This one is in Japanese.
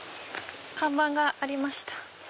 看板がありました。